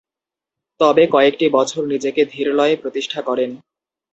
তবে, কয়েকটি বছর নিজেকে ধীরলয়ে প্রতিষ্ঠা করেন।